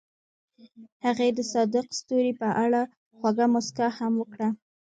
هغې د صادق ستوري په اړه خوږه موسکا هم وکړه.